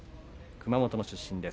熊本の出身です。